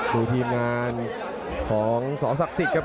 ดูทีมงานของสอสักซิกครับ